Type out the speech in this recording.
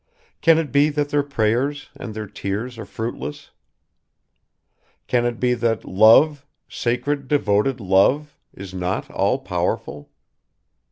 . Can it be that their prayers and their tears are fruitless? Can it be that love, sacred devoted love, is not all powerful?